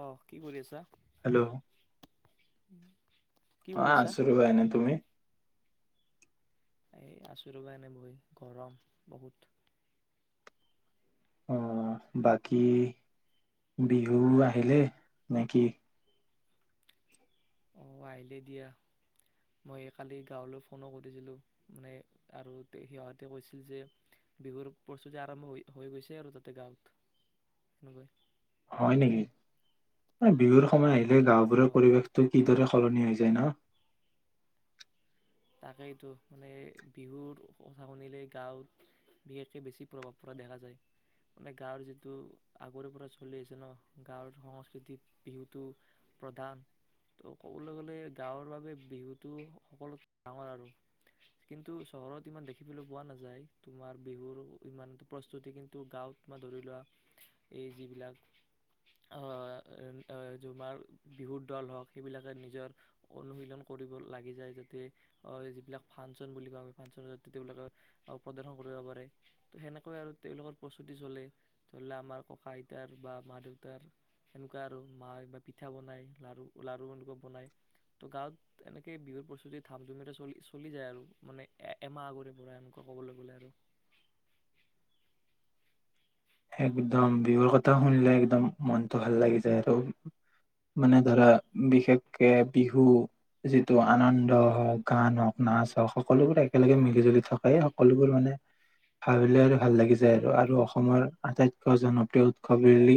অ', কি কৰি আছা? হেল্ল'। উম। অ', আছো ৰ'বা এনে, তুমি? এই আছো ৰ'বা এনে বহি গৰম বহুত। অ', বাকী বিহু আহিলে, নেকি? অ', আহিলেই দিয়া মই কালি গাঁৱলৈ ফোনো সুধিছিলোঁ মানে আৰু সিহঁতে কৈছিল যে বিহুৰ প্ৰস্তুতি আৰম্ভ হৈ হৈ গৈছে আৰু তাতে গাঁৱত সনেককৈ হয় নেকি, অ বিহুৰ সময় আহিলে এ অ গাওঁবোৰৰ পৰিৱেশটো কিদৰে সলনি হৈ যায়, ন? তাকেইতো মানে বিহুৰ কথা শুনিলে গাঁৱত বিশেষকৈ বেছি প্ৰভাৱ পৰা দেখা যায়। মানে গাঁৱৰ যিটো আগৰে পৰা চলি আছে ন, গাঁৱৰ সংস্কৃতিত বিহুটো প্ৰধান ত' কবলৈ গ'লে গাঁৱৰ বাবে বিহুটো সকলোত ডাঙৰ আৰু, কিন্তু চহৰত ইমান দেখিবলৈ পোৱা নাযায়। তোমাৰ বিহুৰ ইমান প্ৰস্তুতি কিন্তু গাঁৱত তোমাৰ ধৰি লোৱা, এই যিবিলাক আ তোমাৰ বিহুৰ দল হওঁক সেইবিলাকে নিজৰ অনুশীলন কৰিব লাগি যায় যাতে আ যিবিলাক ফাংচন বুলি কওঁ আমি ফাংচন যাতে তেওঁলোকে প্ৰদৰ্শন কৰিব পাৰে, ত সেনেকৈ আৰু তেওঁলোকৰ প্ৰস্তুতি চলে। ধৰি ল আমাৰ ককা-আইতাৰ বা মা-দেউতাৰ সেনেকুৱা আৰু। মা বা পিঠা বনায়, লাৰু লাৰু এনেুৱা বনায়, ত' গাঁৱত এনেকে বিহুৰ প্ৰস্তুতিত থাম ধুমিতে চলি চলি যায় আৰু মানে এ এমাহ আগৰে পৰা এনেকুৱা ক'বলৈ গ'লে আৰু একদম বিহুৰ কথা শুনিলে একদম মনটো ভাল লাগি যায় আৰু মানে ধৰা বিশেষকে বিহু যিটো আনন্দ হওক গান হওঁক নাচ হওঁক সকলোবোৰ একেলগে মিলি জুলি থকাই সকলোবোৰ মানে ভাবিলে আৰু ভাল লাগি যায় আৰু আৰু অসমৰ- আটাইতকৈ জনপ্ৰিয় উৎসৱ বুলি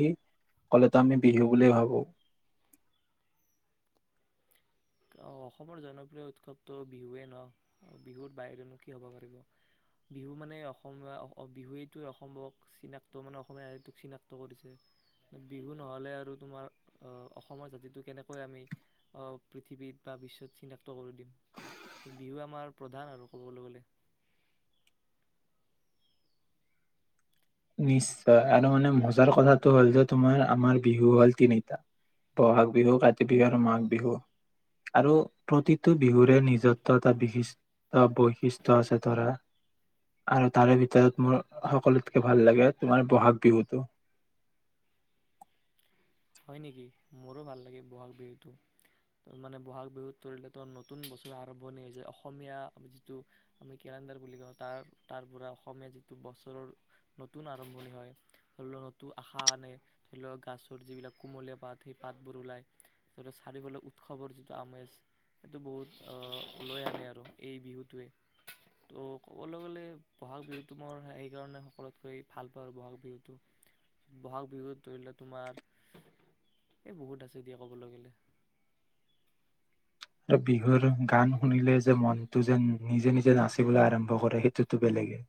কলেতো আমি বিহু বুলি য়ে ভাবো। অ অসমৰ জনপ্ৰিয় উৎসৱটো বিহুৱেই নহ। বিহুৰ বাহিৰেনো কি হ'ব পাৰিব? বিহু মানে অসমীয়া বিহুৱেইটোৱে অসমক চিনাক্ত মানে অসমীয়া জাতিটোক চিনাক্ত কৰিছে। বিহু নহ'লে আৰু তোমাৰ অসমৰ জাতিটো কেনেকৈ আমি পৃথিৱীত তা পিছত চিনাক্ত কৰি দিম। ত' বিহু আমাৰ প্ৰধান আৰু ক'বলৈ গ'লে, নিশ্চয় আৰু মানে মজাৰ কথাটো হ'ল যে তোমাৰ আমাৰ বিহু হ'ল তিনিটা। বহাগ বিহু, কাতি বিহু আৰু মাঘ বিহু আৰু প্ৰতিটো বিহুৰে নিজত্ব এটা বিশিষ্ট বৈশিষ্ট্য আছে ধৰা আৰু তাৰে ভিতৰত মোৰ সকলো- ভাল লাগে তোমাৰ বহাগ বিহুতটো। হয় নেকি, মোৰো ভাল লাগে বহাগ বিহুটো মানে বহাগ বিহুত ধৰিলেতো নতুন বছৰ আৰম্ভণি হৈছে অসমীয়া যিটো আমি কেলেণ্ডাৰ বুলি কওঁ, তাৰ তাৰ পৰা অসমীয়া যিটো বছৰৰ নতুন আৰম্ভণি হয়। ধৰি লওক নতুন আশা আনে ধৰি লওক গাছৰ যিবিলাক কুমলীয়া পাত সেই পাতবোৰ ওলাই চাৰিওফালে উৎসৱৰ যিটো আমেজ সেইটো বহুত লৈ আনে আৰু এই বিহুটোৱে তো ক'বলৈ গ'লে ব'হাগ বিহুটো মই সেইকাৰণে সকলোতকৈ ভাল পাওঁ আৰু বহাগ বিহুটো বহাগ বিহুত ধৰি লওক তোমাৰ- এই বহুত আছে দিয়া ক'বলৈ গ'লে। আৰু বিহুৰ গান শুনিলে যে মনটো যে নিজে নিজে নাচিবলৈ আৰম্ভ কৰে সেইটোতো বেলেগে।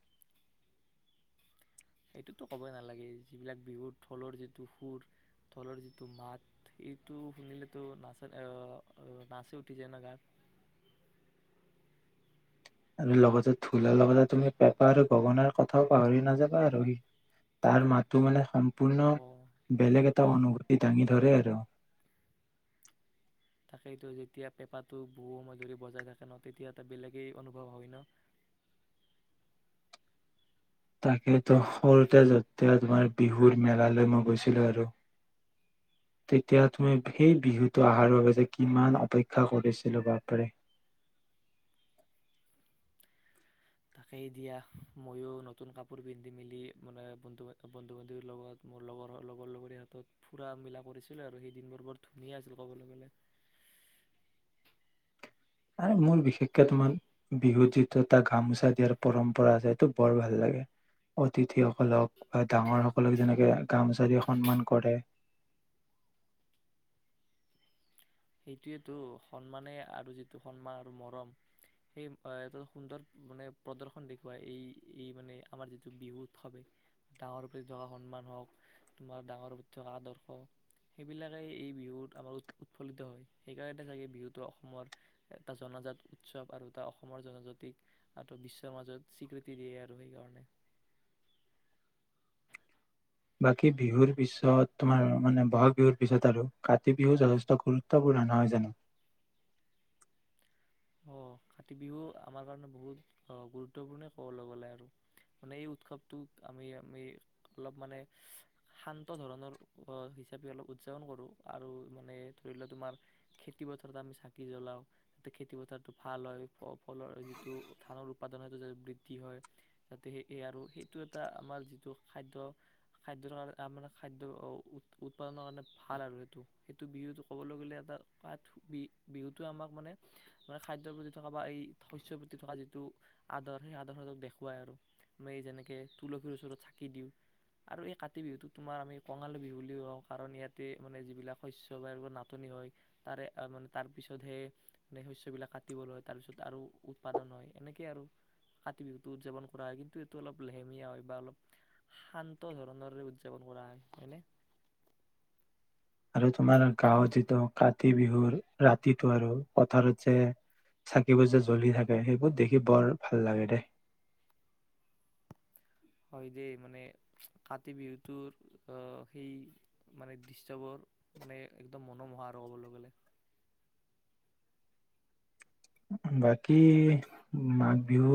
সেইটোতো ক'বই নালাগে যিবিলাক বিহুৰ ঢোলৰ যিটো সুৰ ঢোলৰ যিটো মাত সেইটো শুনিলেতো নাচ নাচি উঠি যায় ন গাত। আৰু লগতে ঢোলৰ লগতে তুমি পেপা আৰু গগনাৰ কথাও পাহৰি নাযাবা আৰু সি তাৰ মাতো মানে, সম্পূৰ্ণ অ বেলেগ এটা অনুভূ- ই দাঙি ধৰে আৰু সেইটো যেতিয়া পেপাটো বহু সময় ধৰি বজাই থাকে ন তেতিয়া এটা বেলেগেই অনুভৱ হয় ন। তাকেতো সৰুতে যেতিয়া তোমাৰ বিহুৰ মেলালৈ মই গৈছিলো আৰু তেতিয়া তুমি সেই বিহুটো অহাৰ বাবে যে কিমান অপেক্ষা কৰিছিলো বাপৰে। তাকেই দিয়া ময়ো নতুন কাপোৰ পিন্ধি মেলি মানে বন্ধু বন্ধু বান্ধৱীৰ লগত মোৰ লগৰ লগৰ লগৰ হাতত ফুৰা মিলা কৰিছিলোঁ আৰু সেই দিনবোৰ বৰ ধুনীয়া আছিল ক'বলৈ গ'লে। আৰু মোৰ বিশেষকে তোমাৰ বিহুত যিটো এটা গামোচা দিয়াৰ পৰম্পৰা আছে, সেইটো বৰ ভাল লাগে অতিথিসকলক বা ডাঙৰ সকলক যেনেকে গামোচা দিয়ে সন্মান কৰে। সেইটোৱ সন্মানে আৰু যিটো সন্মান আৰু মৰম সেই এটা সুন্দৰ মানে প্ৰদৰ্শন দেখুৱাই এই এই মানে আমাৰ যিটো বিহু উৎসৱে ডাঙৰ প্ৰতি থকা সন্মান হওক তোমাৰ ডাঙৰ প্ৰতি থকা আদৰ্শ সেইবিলাকে এই বিহুত আমাৰ উৎ- উৎফুল্লিত হয়, সেইকাৰণেটো চাগে বিহুটো অসমৰ এটা জনাজাত উৎসৱ আৰু এটা অসমৰ, জনজাতিক আৰু বিশ্বৰ মাজত স্বীকৃতি দিয়ে আৰু সেইকাৰণে বাকী বিহুৰ পিছত তোমাৰ মানে, বহাগ বিহুৰ পিছত আৰু কাতি বিহু যথেষ্ট গুৰুত্বপূৰ্ণ নহয় জানো? অ', কাতি বিহু আমাৰ কাৰণে বহুত গুৰুত্বপূৰ্ণই ক'বলৈ গ'লে আৰু মানে, এই উৎসৱটো আমি আমি অলপ মানে শান্ত ধৰণৰ হিচাপে অলপ উদযাপন কৰো আৰু মানে, ধৰি লোৱা তোমাৰ খেতি পথাৰত আমি চাকি জ্বলাওঁ খেতিপথাৰটো ভাল হয়, ফলৰ যিটো ধানৰ উৎপাদন, সেইটো যাতে বৃদ্ধি হয়, যাতে সেই আৰু সেইটো এটা আমাৰ যিটো খাদ্য, খাদ্যৰ কাৰণে মানে খাদ্য উৎপাদনৰ কাৰণে ভাল আৰু সেইটো, সেইটো বিহুটো ক'বলৈ গ'লে এটাঠ বিহুটো আমাক মানে মানে খাদ্যৰ প্ৰতি থকা, বা এই শস্যৰ প্ৰতি থকা যিটো আদৰ, সেই আদৰ সেইতক দেখুৱাই আৰু মান এই যেনেকে তুলসীৰ ওচৰত চাকি দিওঁ আৰু এই কাতি বিহুটোক, তোমাৰ আমি কঙাল বিহু বুলিও কওঁ। কাৰণ ইয়াতে মানে, যিবিলাক শস্য় বা নাটনি হয়, তাৰে মানে তাৰ পিছতহে মে শ্ বিলাক কাটিবলৈ হয়, তাৰ পিছত আৰু উৎপাদন হয়, এনেকেই আৰু কাতি বিহুতটো উদযাপন কৰা হয় কিন্তু এইটো অলপ লেহেমীয়া হয় বা অলপ শান্ত ধৰণৰে উদযাপন কৰা হয়নে। আৰু তোমাৰ গাঁৱত, যিটো কাতি বিহুৰ ৰাতিটো আৰু পথাৰত, যে চাকিবোৰ যে জ্বলি থাকে সেইবোৰ দেখি বৰ ভাল লাগে দেই। হয় দেই, মানে কাতি বিহুটোৰ অ', সেই মানে দৃশ্যবৰ মানে, একদম মনোমোহা আৰু ক'বলৈ গ'লে। বাকী মাঘ বিহু,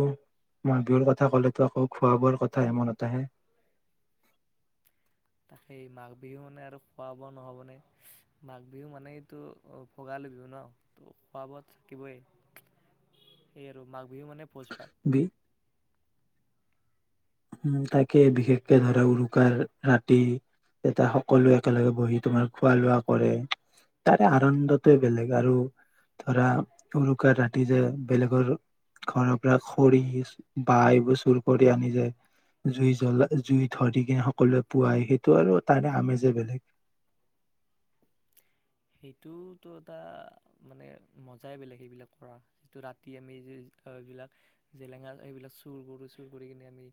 মাঘ বিহুৰ কথা ক'লেতো আকৌ খোৱা বোৱাৰ কথা হে মনত আহে। সেই মাঘ বিহু মানে আৰু খোৱা বোৱা নহ'বনে? মাঘ বিহু মানেটো, ভোগালী বিহু ন' খোৱা বোৱাত থাকিবই, সেই আৰু মাঘ বিহু মানে, ভোজপাত বি উম, তাকে বিশেষকে ধৰা উৰুকাৰ ৰাতি এতিয়া সকলো একেলগে বহি, তোমাৰ খোৱা লোৱা কৰে তাৰে আনন্দটোৱে, বেলেগ আৰু ধৰা উৰুকাৰ ৰাতি, যে বেলেগৰ ঘৰৰ পৰা খৰি বহ এইবোৰ চুৰ কৰি আনি যে। জুই জ্বলা, জুই ধৰি কিনে সকলোৱে পোৱাই, সেইটো আৰু তাৰে আমেজে বেলেগ। সেইটোতো এটা মানে মজাই বেলেগ, সেইবিলাক কৰা যিটো ৰাতি আমি যবিলাক জেলেঙা সেইবিলাক চুৰ কৰো, চুৰ কৰি কিনে আমি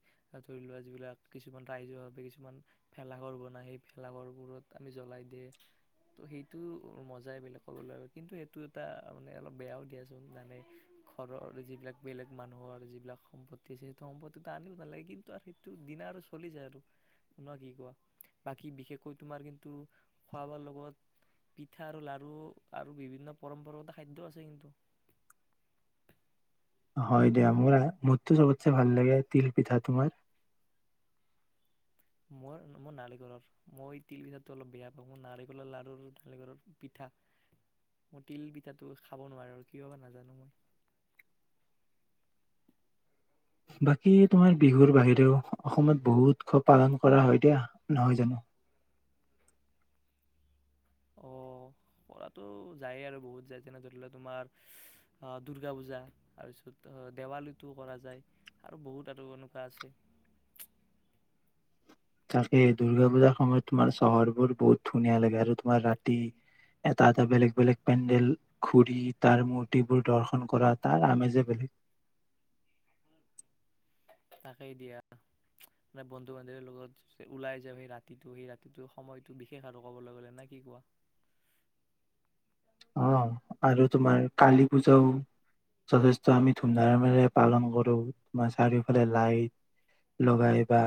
ধৰি লোৱা যিবিলাক, কিছুমান ৰাইজৰ ভাৱে, কিছুমান ভেলাঘৰ বনাই সেই ভেলাঘৰবোৰত আমি জ্বলাই দিয়ে, ত' সেই সেটো মজাই বেলেগ, ক'বলে কিন্তু সেইটো এটা মানে অলপ বেয়াও দিয়াচোন, জানে ঘৰৰ যিবিলাক বেলেগ, মানুহৰ যিবিলাক সম্পত্তি আছে সেইটো সম্পত্তিটো আনিব নালাগে কিন্তু আৰু সেইটো দিনা আৰু চলি যায় আৰু কি কোৱা বাকি, বিশেষকৈ তোমাৰ কিন্তু খোৱা বোৱাৰ লগত পিঠা আৰু লাৰু আৰু বিভিন্ন পৰম্পৰাগত খাদ্য আছে কিন্তু হয়, দিয়া মোৰ মোৰতো চবতে ভাল লাগে তিল পিঠা, তোমাৰ? মোৰ মোৰ নাৰিকলৰ মই তিল পিঠাটো অলপ বেয়া পাওঁ, মোৰ নাৰিকলৰ লাৰু, নাৰিকলৰ পিঠা মই তিল পিঠাটো খাব নোৱাৰো আৰু কিয় বা নাজানো মই। বাকী তোমাৰ বিহুৰ বাহিৰেও অসমত বহু উৎসৱ পালন কৰা হয় দিয়া, নহয় জানো? অ', কৰাতটো যায়ে আৰু বহুত যায় যেনে, ধৰি লোৱা তোমাৰ অ', দূৰ্গা পূজা, তাৰ পিছত দেৱালীতো কৰা যায় আৰু বহুত আৰু এনেকুৱা আছে। তাকেই দূৰ্গা পূজাৰ সময়ত, তোমাৰ চহৰবোৰ বহুত ধুনীয়া লাগে আৰু তোমাৰ ৰাতি এটা, এটা বেলেগ, বেলেগ, পেণ্ডেল ঘুৰি তাৰ মূৰ্তিবোৰ দৰ্শন কৰা তাৰ আমেজে বেলেগ। তাকেই দিয়া মানে, বন্ধু বান্ধৱীৰ লগত ওলাই যায় সেই ৰাতিটো, সেই ৰাতিটো সময়টো বিশেষ আৰু কবলৈ গলে নাই কি কোৱা? অ', আৰু তোমাৰ কালি পূজাও যথেষ্ট আমি ধুমধামেৰে পালন কৰো, তোমাৰ চাৰিওফালে লাইট লগাই, বা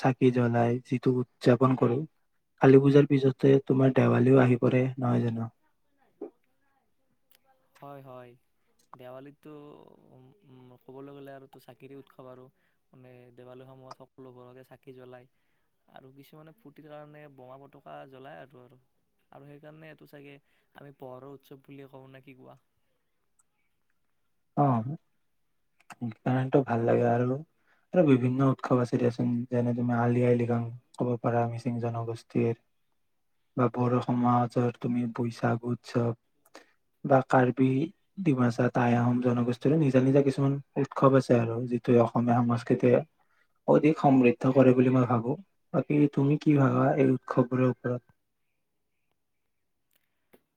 চাকি জ্বলাই যিটো উদযাপন কৰো, কালী পূজাৰ পিছতে তোমাৰ দেৱালীও আহি পৰে, নহয় জানো? হয়, হয়, দেৱালীটো উম, উম, ক'বলৈ গলে আৰুটো চাকিৰ উৎসৱ আৰু মানে, দেৱালী সময়ত সকলো ঘৰতে চাকি জ্বলাই আৰু কিছুমানে ফূৰ্তিৰ কাৰণে বোমা পতকা জ্বলাই আৰু আৰু আৰু সেইকাৰণে এইটো চাগে আমি পোহৰৰ উৎসৱ বুলিয়ে কওঁ নেকি? কি কোৱা? অ', কাৰণটো ভাল লাগে আৰু আৰু বিভিন্ন উৎসৱ আছে, দেিয়াচোন যেনে, তুমি আলি আই লিগাং ক'ব পাৰা, মিচিং জনগোষ্ঠীৰ, বা বড়ো সমাজৰ তুমি বৈশাগ উৎসৱ বা কাৰ্বি ডিমাচা টাই আহোম জনগোষ্ঠীৰৰে নিজা, নিজা কিছুমান উৎসৱ আছে আৰু যিটোৱে অসমীয়া সংস্কৃতিয়ে, অধিক সমৃদ্ধ কৰে বুলি মই ভাবো, বাকী তুমি কি ভাবা এই উৎসৱবোৰৰ ওপৰত?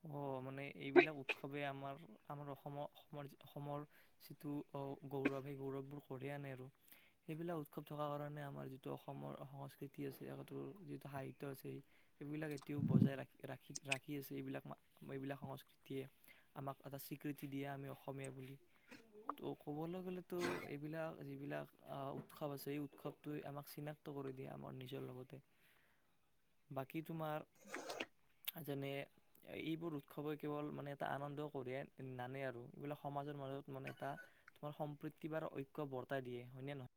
অ'। মানে, এইবিলাক উৎসৱে আমাৰ আমাৰ অসমৰ, অসমৰ, অসমৰ যিটো গৌৰৱ সেই গৌৰৱবোৰ আনে আৰু সেইবিলাক উৎসৱ থকাৰ কাৰণে আমাৰ যিটো অসমৰ সংস্কৃতি আছে, সৰ যিটো সাহিত্য আছে, সেইবিলাক এতিয়াও বজাই ৰাখি, ৰাখি, ৰাখি আছে এইবিলাক এইবিলাক সংস্কৃতিয়ে, আমাক এটা স্বীকৃতি দিয়ে, আমি অসমীয়া বুলি ত' ক'বলৈ গ'লেতো এইবিলাক, যিবিলাক আহ, উৎসৱ আছে, এই উৎসৱট আমাক চিনাক্ত কৰি দিয়ে আমাৰ নিজৰ লগতে, বাকী তোমাৰ আজনে এইবোৰ উৎসৱই কেৱল মানে, এটা আনন্দ কঢ়িয়াই নানে আৰু এইবোাক সমাজৰ মাজত মানে, এটা তোমাৰ সম্প্ৰীতি বাৰ ঐক্য বৰ্তাই দিয়ে হয়, নে নহয়?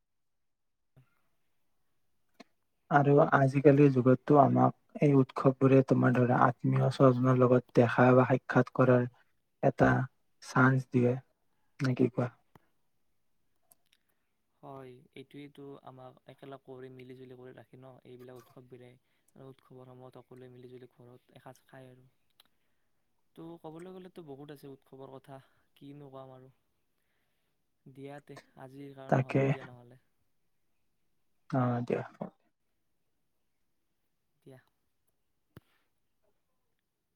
আৰু আজিকালিৰ যুগতটো, আমাক এই উৎসৱবোৰে তোমাৰ ধৰা আত্মীয় স্বজনৰ লগত দেখা, বা সাক্ষাৎ কৰাৰ এটা চান্স দিয়ে নে কি কোৱা? হয়, এইটোৱেটো আমাক একেলগ মিলি, জুলি কৰি ৰাখি ন? এইবিলাক উৎসৱ বিৰে উৎসৱৰ সময়ত সকলোৱে মিলি জুলি ঘৰত এসাঁজ খায়, আৰু ত' কবলৈ গ'লেতো বহুত আছে উৎসৱৰ কথা, কিনো কাম, আৰু দিয়াতে আজি আৰু নহ'ব তাকে দিয়া নহ'লে। অ', দিয়া। দিয়া।